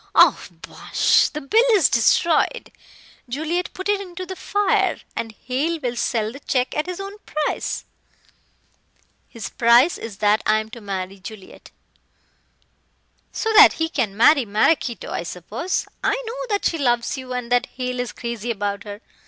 "Oh, bosh! The bill is destroyed. Juliet put it into the fire, and Hale will sell the check at his own price." "His price is that I am to marry Juliet." "So that he can marry Maraquito, I suppose. I know that she loves you and that Hale is crazy about her.